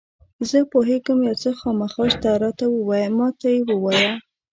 زه پوهېږم یو څه خامخا شته، راته ووایه، ما ته یې ووایه.